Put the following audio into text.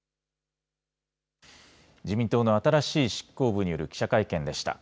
自民党の新しい執行部による記者会見でした。